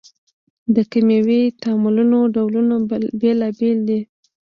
د کیمیاوي تعاملونو ډولونه بیلابیل دي.